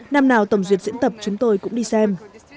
năm nào tổng duyệt diễn tập chúng tôi cũng đi xem